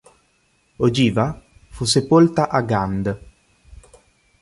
Ogiva fu sepolta a Gand.